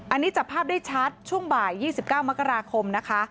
อันนี้จับภาพได้ชัดช่วงบ่าย๒๙มกราคมนะคะ